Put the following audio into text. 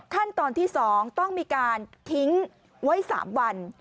ขั้นตอนที่๒ต้องมีการทิ้งไว้๓วัน